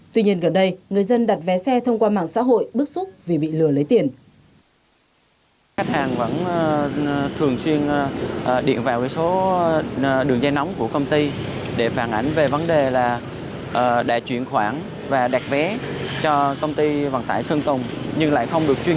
tuy nhiên gần đây người dân đặt vé xe thông qua mạng xã hội bức xúc vì bị lừa lấy tiền